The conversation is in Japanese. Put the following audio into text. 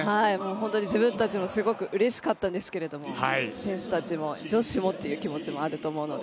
本当に自分たちもすごくうれしかったんですけど、選手たちも、女子もという気持ちもあると思うので。